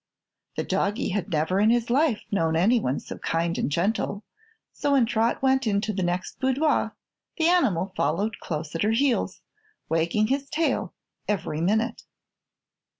The doggie had never in his life known anyone so kind and gentle, so when Trot went into the next boudoir the animal followed close at her heels, wagging his tail every minute.